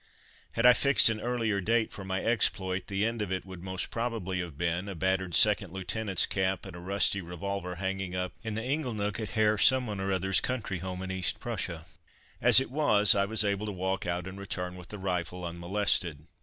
Had I fixed an earlier date for my exploit the end of it would most probably have been a battered second lieutenant's cap and a rusty revolver hanging up in the ingle nook at Herr Someone or other's country home in East Prussia. As it was, I was able to walk out and return with the rifle unmolested.